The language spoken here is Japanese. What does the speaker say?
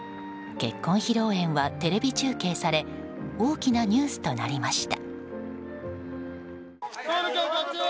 結婚披露宴はテレビ中継され大きなニュースとなりました。